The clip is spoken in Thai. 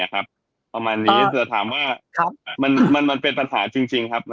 ประมาณนี้เผื่อถามว่ามันเป็นปัญหาจริงครับ